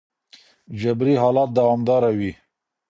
جبري حالت دوامداره وي.